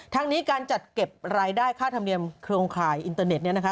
ทั้งนี้การจัดเก็บรายได้ค่าธรรมเนียมโครงข่ายอินเตอร์เน็ตเนี่ยนะคะ